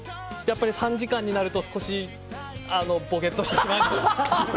３時間になると少しぼけっとしてしまう。